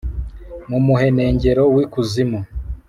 mu muhenengero w’ikuzimu!»